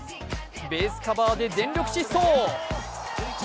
ベースカバーで全力疾走。